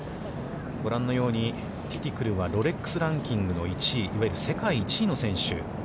ご覧のように、ティティクルは、ロレックス・ランキングの１位いわゆる世界１位の選手。